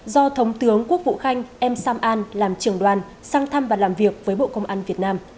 do thống tướng quốc vụ khanh em sam an làm trưởng đoàn sang thăm và làm việc với bộ công an việt nam